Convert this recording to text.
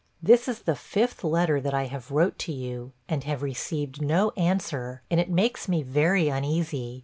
This is the fifth letter that I have wrote to you, and have received no answer, and it makes me very uneasy.